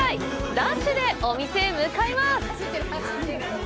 ダッシュでお店へ向かいます！